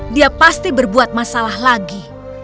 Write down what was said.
dia pasti berbuat masalah lagi